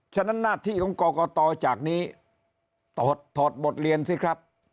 ฉะนั้นหน้าที่ของกรกตจากนี้ถอดบทเรียนสิครับ